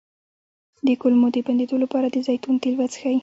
د کولمو د بندیدو لپاره د زیتون تېل وڅښئ